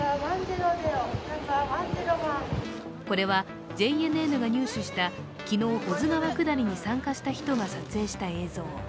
これはＪＮＮが入手した昨日、保津川下りに参加した人が撮影した映像。